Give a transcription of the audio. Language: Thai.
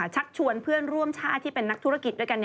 ชักชวนเพื่อนร่วมชาติที่เป็นนักธุรกิจด้วยกัน